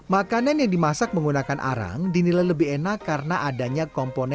makanan yang dimasak menggunakan arang dinilai lebih enak karena adanya komponen